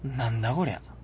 こりゃ